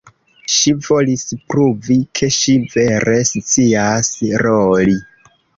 Ŝi volis pruvi, ke ŝi vere scias roli.